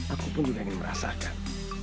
aku pun juga ingin merasakan